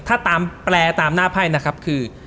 ถ้าตามแปลตามหน้าไพ่นะครับคือ